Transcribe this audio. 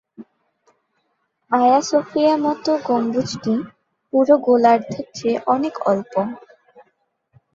আয়া সোফিয়া মতো গম্বুজটি পুরো গোলার্ধের চেয়ে অনেক অল্প।